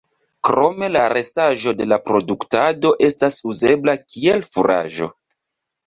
Krome la restaĵo de la produktado estas uzebla kiel furaĝo.